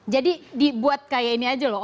jadi dibuat kayak ini aja loh